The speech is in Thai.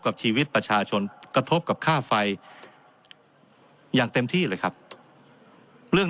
กับชีวิตประชาชนกระทบกับค่าไฟอย่างเต็มที่เลยครับเรื่อง